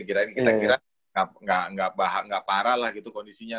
kita kira kira enggak parah lah gitu kondisinya